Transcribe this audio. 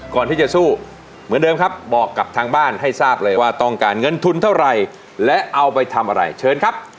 ก่อนที่จะสู้เหมือนเดิมครับบอกกับทางบ้านให้ทราบเลยว่าต้องการเงินทุนเท่าไหร่และเอาไปทำอะไรเชิญครับ